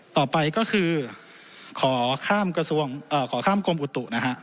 ต่อไปก็คือขอข้ามกรมอุตุนะครับ